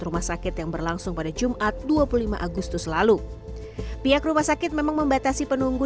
rumah sakit yang berlangsung pada jumat dua puluh lima agustus lalu pihak rumah sakit memang membatasi penunggu